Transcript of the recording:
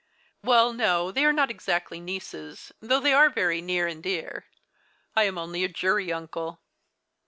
"Well, no, they are not exactly nieces, though they are very near and dear. I am only a jury uncle."